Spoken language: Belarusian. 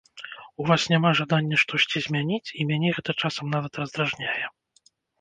У вас няма жадання штосьці змяніць, і мяне гэта часам нават раздражняе.